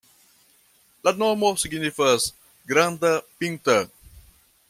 La nomo signifas granda-pinta.